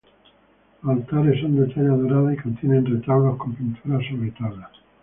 Los altares son de talla dorada y contienen retablos con pintura sobre tabla.